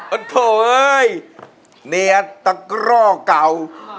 โอ้โหเฮ้ยเนี่ยตะกร่อเก่า